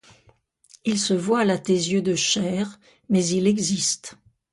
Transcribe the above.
Il se voile à tes yeux de chair ; mais il existe.